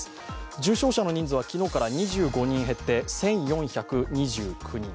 重症者の人数は昨日から２４人減って１４２９人。